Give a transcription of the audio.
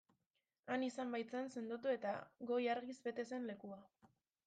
Han izan baitzen sendotu eta goi argiz bete zen lekua.